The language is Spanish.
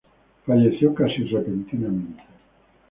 Falleció casi repentinamente.